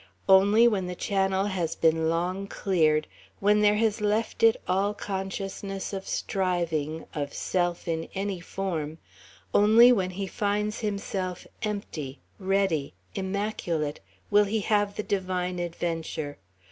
Only when the channel has been long cleared, when there has left it all consciousness of striving, of self in any form, only when he finds himself empty, ready, immaculate, will he have the divine adventure.